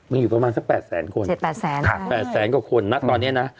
มันอยู่คราบประมาณสัก๘๐๐๐๐๐นะตอนนี้